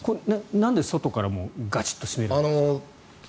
なんで外からもガチっと閉めるんですか。